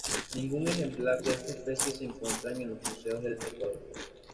Ningún ejemplar de esta especie se encuentran en los museos del Ecuador.